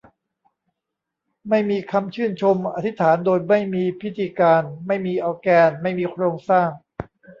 ไม่มีคำชื่นชม อธิษฐานโดยไม่มีพิธีการ ไม่มีออร์แกน ไม่มีโครงสร้าง